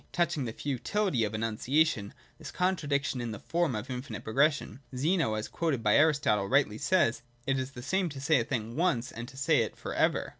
Touching the futility of enunciating this contradiction in the form of infinite progression, Zeno, as quoted by Aristotle, rightly says, ' It is the same to say a thing once, and to say it for ever.'